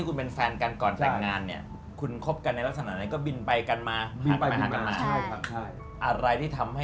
ก็คงเป็นที่เขา